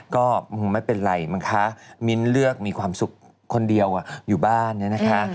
ก็ไม่เป็นไรมั้งคะมิ้นเลือกมีความสุขคนเดียวอยู่บ้านเนี่ยนะคะ